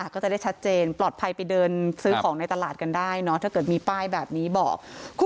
ก็จะได้ชัดเจนปลอดภัยไปเดินซื้อของในตลาดกันได้เนอะถ้าเกิดมีป้ายแบบนี้บอก